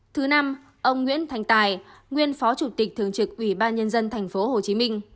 thứ năm ông nguyễn thành tài nguyên phó chủ tịch thường trực ủy ban nhân dân tp hcm